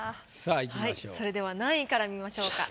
それでは何位から見ましょうか？